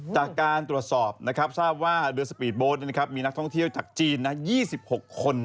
จากการตรวจสอบนะครับทราบว่าเรือสปีดโบสต์มีนักท่องเที่ยวจากจีน๒๖คน